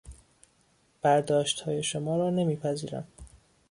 برداشتهای شما را نمیپذیرم.